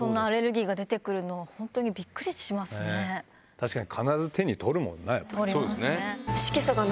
確かに。